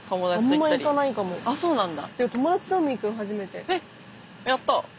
あっそうなんだ。